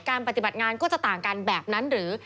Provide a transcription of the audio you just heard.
ปฏิบัติงานก็จะต่างกันแบบนั้นหรือ